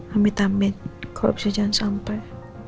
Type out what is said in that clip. amit amit kok bisa jangan sampai